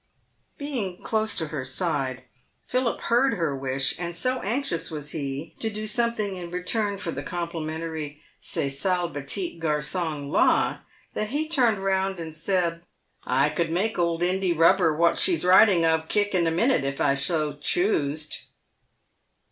Being close to her side, Philip heard her wish, and so anxious was he to do something in return for the complimentary " ce sal pettit gar song la," that he turned round and said, " I could make old Indy Bubber, wot she's riding of, kick in a minute, if I choosed."